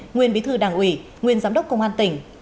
nguyên bí thư đảng ủy nguyên giám đốc công an tỉnh